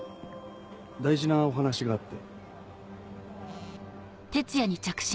大事なお話があって。